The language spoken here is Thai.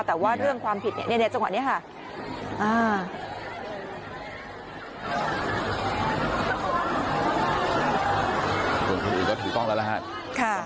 แต่ว่าเรื่องความผิดเนี่ยจังหวะนี้ค่ะ